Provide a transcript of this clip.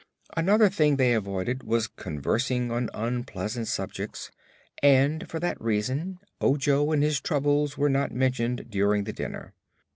Another thing they avoided was conversing on unpleasant subjects, and for that reason Ojo and his troubles were not mentioned during the dinner.